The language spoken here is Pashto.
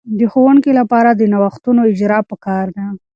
د ښوونکې لپاره د نوښتونو اجراء په کار ده.